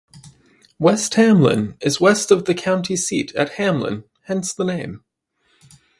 West Hamlin is west of the county seat at Hamlin, hence the name.